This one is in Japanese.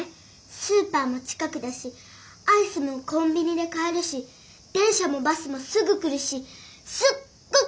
スーパーも近くだしアイスもコンビニで買えるし電車もバスもすぐ来るしすっごくべんりなんだよ。